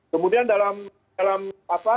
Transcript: kemudian dalam apa